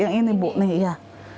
yang ini bu nih ya